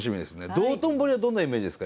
道頓堀はどんなイメージですか？